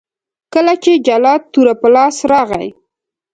کله چې جلات توره په لاس راغی.